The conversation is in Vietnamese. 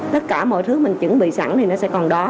tất cả mọi thứ mình chuẩn bị sẵn thì nó sẽ còn đó